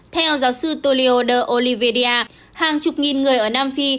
theo giáo sư tolio de olivedia hàng chục nghìn người ở nam phi